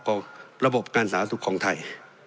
ของระบบการสาธารณสุขของไทย